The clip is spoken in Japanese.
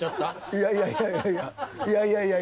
いやいやいやいや。